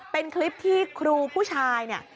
เป็นคลิปที่ครูผู้ชาย